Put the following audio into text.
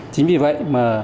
chính vì vậy